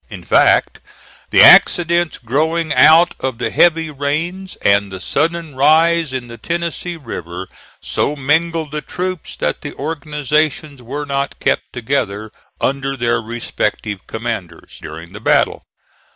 In fact, the accidents growing out of the heavy rains and the sudden rise in the Tennessee River so mingled the troops that the organizations were not kept together, under their respective commanders, during the battle.